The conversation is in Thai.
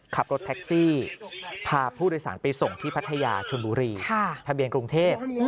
ขับรถแท็กซี่พาผู้โดยสารไปส่งที่พัทยาชนบุรีทะเบียนกรุงเทพ